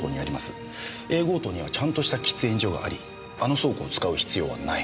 Ａ号棟にはちゃんとした喫煙所がありあの倉庫を使う必要はない。